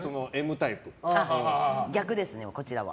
逆ですね、こちらは。